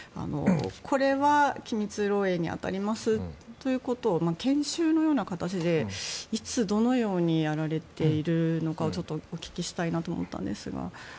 これは機密漏洩に当たりますということを研修のような形でいつ、どのようにやられているのかをちょっとお聞きしたいなと思ったんですが。